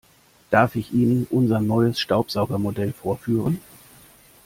Darf ich Ihnen unser neues Staubsaugermodell vorführen?